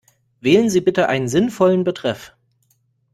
Wählen Sie bitte einen sinnvollen Betreff.